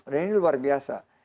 dan ini luar biasa